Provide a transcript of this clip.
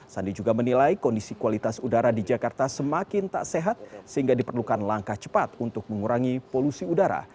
sandi juga menilai kondisi kualitas udara di jakarta semakin tak sehat sehingga diperlukan langkah cepat untuk mengurangi polusi udara